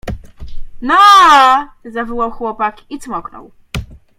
— Noo! — zawołał chłopak i cmoknął.